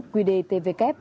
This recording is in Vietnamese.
quy đề tvk